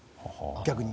逆に。